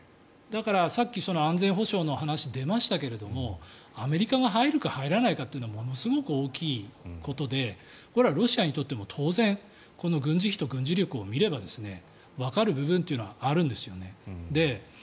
だから、さっき安全保障の話出ましたけれどもアメリカが入るか入らないかってのはものすごく大きいことでこれはロシアにとっては当然、軍事費と軍事力を見ればわかる部分というのはあるんですよね。